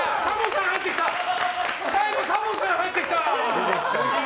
最後タモさん入ってきた。